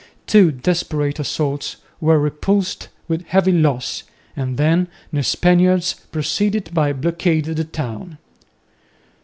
Two desperate assaults were repulsed with heavy loss, and then the Spaniards proceeded to blockade the town.